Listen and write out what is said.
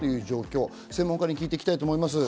専門家に聞いていきたいと思います。